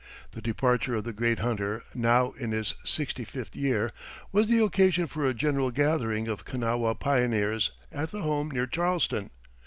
The departure of the great hunter, now in his sixty fifth year, was the occasion for a general gathering of Kanawha pioneers at the home near Charleston.